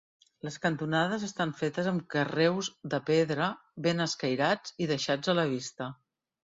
Les cantonades estan fetes amb carreus de pedra ben escairats i deixats a la vista.